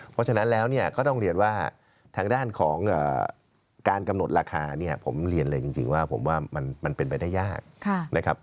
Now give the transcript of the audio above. เพราะฉะนั้นแล้วเนี่ยก็ต้องเรียนว่าทางด้านของการกำหนดราคาเนี่ยผมเรียนเลยจริงว่าผมว่ามันเป็นไปได้ยากนะครับ